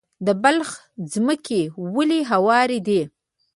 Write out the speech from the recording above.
د بلخ ځمکې ولې هوارې دي؟